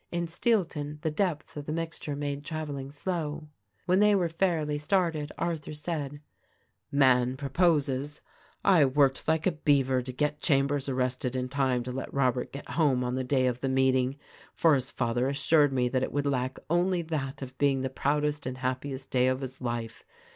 In Steelton the depth of the mixture made traveling slow. When they were fairly started Arthur said: "Man prcv poses ! I worked like a beaver to get Chambers arrested in time to let Robert get home on the day of the meeting; for his father assured me that it would lack only that of being the proudest and happiest day of his life.